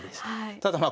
ただまあ